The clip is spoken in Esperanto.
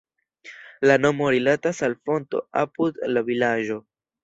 La nomo rilatas al fonto apud la vilaĝo.